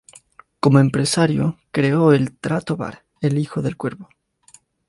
Como empresario, creó el teatro-bar "El hijo del cuervo".